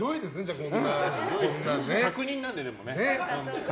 確認なんで、でも。